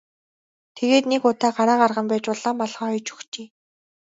Тэгээд нэгэн удаа гараа гарган байж улаан малгай оёж өгчээ.